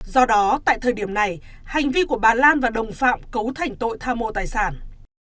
do đó tại thời điểm này hành vi của bà lan và đồng phạm cấu thành tội tham mô tài sản